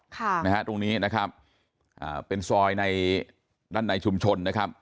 ค่ะนะฮะตรงนี้นะครับอ่าเป็นซอยในด้านในชุมชนนะครับ